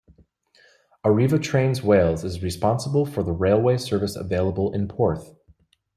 Arriva Trains Wales is responsible for the railway service available in Porth.